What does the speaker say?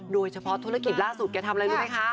โดยเฉพาะธุรกิจล่าสุดแกทำอะไรรู้ไหมคะ